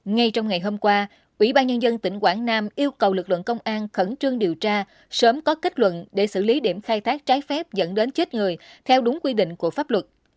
ngay trong ngày hôm qua ủy ban nhân dân tỉnh quảng nam yêu cầu lực lượng công an khẩn trương điều tra sớm có kết luận để xử lý điểm khai thác trái phép dẫn đến chết người theo đúng quy định của pháp luật